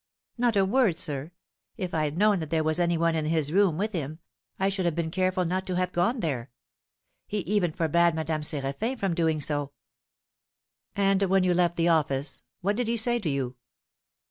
"Not a word, sir; if I had known that there was any one in his room with him, I should have been careful not to have gone there. He even forbade Madame Séraphin from doing so." "And, when you left the office, what did he say to you?"